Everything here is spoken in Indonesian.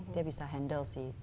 dia bisa handle sih